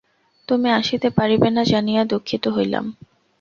তুমি আসিতে পারিবে না জানিয়া দুঃখিত হইলাম।